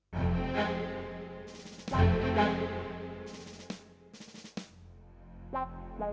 terima kasih pamit pat pat